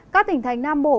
các tỉnh thành nam bộ